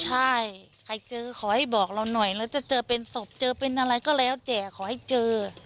ใช่ใครเจอขอให้บอกเราหน่อยแล้วจะเจอเป็นศพเจอเป็นอะไรก็แล้วแต่ขอให้เจอ